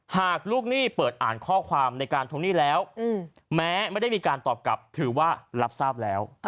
ลูกหนี้เปิดอ่านข้อความในการทวงหนี้แล้วแม้ไม่ได้มีการตอบกลับถือว่ารับทราบแล้ว